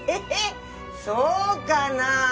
そうかなあ？